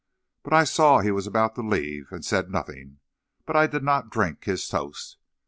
But I saw he was about to leave, and said nothing; but I did not drink his toast.